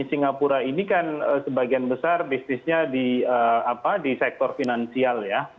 singapura ini kan sebagian besar bisnisnya di sektor finansial ya